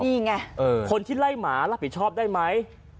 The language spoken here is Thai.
นี่ไงคนที่ไล่หมารับผิดชอบได้ไหม